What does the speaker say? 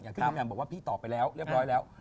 ที่แหม่มบอกว่าพี่ตอบไปแล้วเรียบร้อยแล้ว